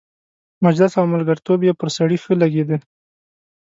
مجلس او ملګرتوب یې پر سړي ښه لګېده.